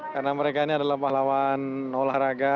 karena mereka ini adalah pahlawan olahraga